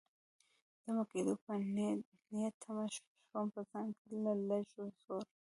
دمه کېدو په نیت تم شوم، په ځان کې له لږ زور.